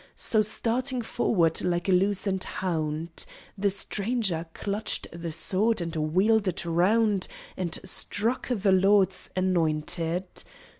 So, starting forward, like a loosened hound, The stranger clutched the sword and wheeled it round, And struck the Lord's Anointed.